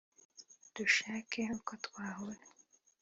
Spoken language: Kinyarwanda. dushake uko twahura